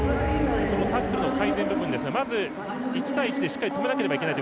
タックルの改善部分ですがまず１対１でしっかり止めなくてはいけないと。